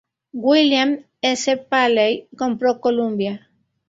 William S. Paley compró Columbia.